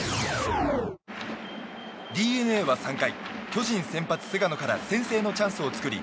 ＤｅＮＡは３回巨人先発、菅野から先制のチャンスを作り